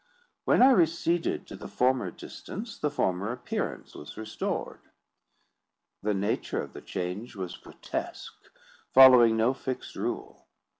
When I receded to the former distance, the former appearance was restored. The nature of the change was grotesque, following no fixed rule.